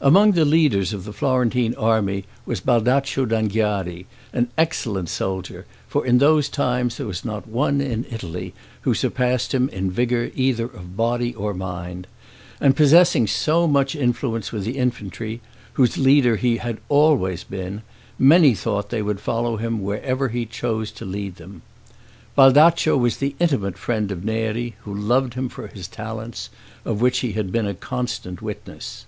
Among the leaders of the Florentine army was Baldaccio d'Anghiari, an excellent soldier, for in those times there was not one in Italy who surpassed him in vigor either of body or mind; and possessing so much influence with the infantry, whose leader he had always been, many thought they would follow him wherever he chose to lead them. Baldaccio was the intimate friend of Neri, who loved him for his talents, of which he had been a constant witness.